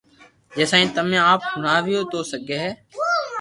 جي سائين تمي آپ ھڻاويو تو سگي ھي